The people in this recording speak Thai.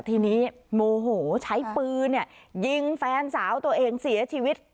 ทีนี้โมโหใช้ปืนยิงแฟนสาวตัวเองเสียชีวิต